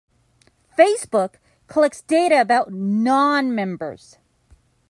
Facebook collects data about non-members.